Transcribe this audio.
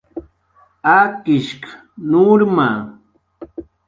"Akishk"" nurma "